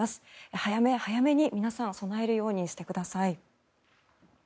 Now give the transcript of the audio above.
早め早めに皆さん備えるようにしてください。